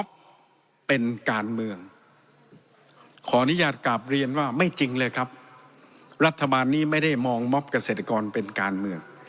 ขออนุญาตกลับเรียนว่าไม่จริงเลยครับรัฐบาลนี้ไม่ได้มองม็อบเกษตรกรเป็นการเมือง